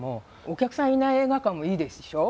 お客さんいない映画館もいいでしょ？